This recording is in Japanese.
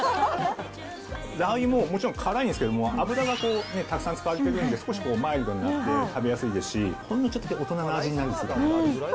ラー油ももちろん辛いんですけど、脂がたくさん使われているんで、少しマイルドになって食べやすいですし、ほんのちょっとだけ大人の味になるんですよね。